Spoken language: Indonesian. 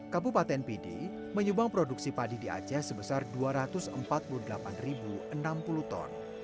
kabupaten pidi menyumbang produksi padi di aceh sebesar dua ratus empat puluh delapan enam puluh ton